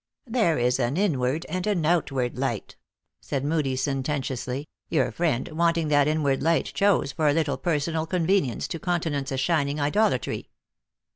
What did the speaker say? "There is an inward and an outward light," said Moodie, sententiously :" your friend, wanting that in ward light, chose, for a little personal convenience, to countenance a shining idolatry."